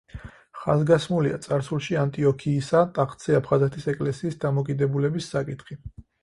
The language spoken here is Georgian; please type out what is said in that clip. ხაზგასმულია წარსულში ანტიოქიისა ტახტზე აფხაზეთის ეკლესიის დამოკიდებულების საკითხი.